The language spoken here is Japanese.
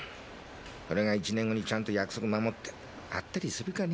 それが１年後にちゃんと約束守って会ったりするかね？